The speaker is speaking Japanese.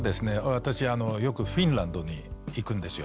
私よくフィンランドに行くんですよ。